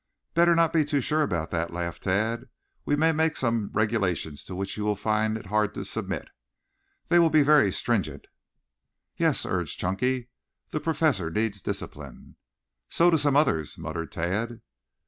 "Better not be too sure about that," laughed Tad. "We may make some regulations to which you will find it hard to submit. They will be very stringent." "Yes," urged Chunky. "The Professor needs discipline." "So do some others," muttered Tad.